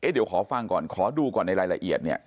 เดี๋ยวขอฟังก่อนขอดูก่อนในรายละเอียดเนี่ย